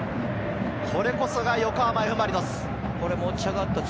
これこそが横浜Ｆ・マリノス。